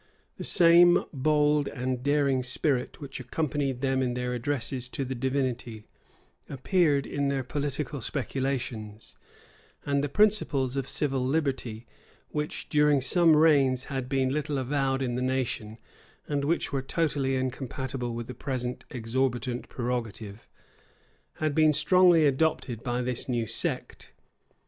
The same bold and daring spirit which accompanied them in their addresses to the Divinity, appeared in their political speculations; and the principles of civil liberty, which during some reigns had been little avowed in the nation, and which were totally incompatible with the present exorbitant prerogative, had been strongly adopted by this new sect.